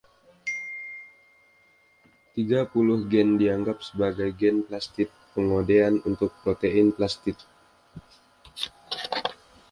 Tiga puluh gen dianggap sebagai gen "plastid", pengodean untuk protein plastid.